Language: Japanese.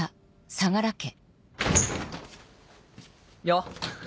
よっ！